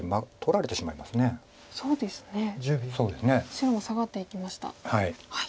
白もサガっていきました。